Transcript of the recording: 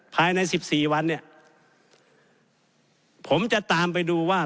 ภายในสิบสี่วันเนี่ยผมจะตามไปดูว่า